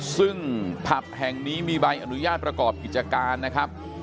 ซึ่งผับแห่งนี้มีใบอนุญาตประกอบกิจการนะครับ